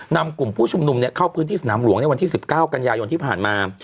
นำกลุ่มผู้ชุมนุมเข้าพื้นที่สนามหลวงในวันที่๑๙กันยายนที่ผ่านมา